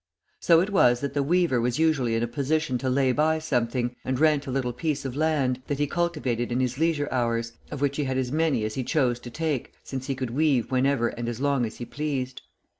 So it was that the weaver was usually in a position to lay by something, and rent a little piece of land, that he cultivated in his leisure hours, of which he had as many as he chose to take, since he could weave whenever and as long as he pleased.